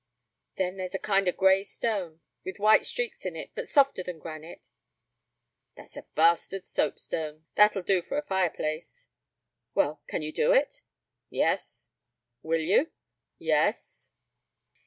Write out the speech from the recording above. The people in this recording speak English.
"Then there's a kind of gray stone, with white streaks in it, but softer than granite." "That's a bastard soapstone; that'll do for a fireplace." "Well, can you do it?" "Yes." "Will you?" "Yes."